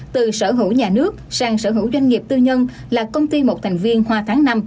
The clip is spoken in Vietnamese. từ sở hữu nhà nước sang sở hữu doanh nghiệp tư nhân là công ty một thành viên hoa tháng năm